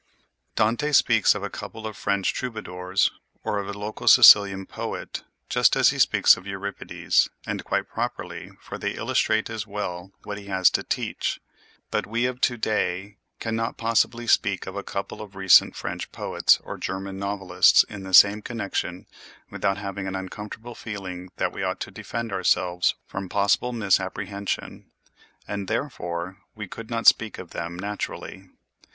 Dante speaks of a couple of French troubadours, or of a local Sicilian poet, just as he speaks of Euripides; and quite properly, for they illustrate as well what he has to teach; but we of to day could not possibly speak of a couple of recent French poets or German novelists in the same connection without having an uncomfortable feeling that we ought to defend ourselves from possible misapprehension; and therefore we could not speak of them naturally.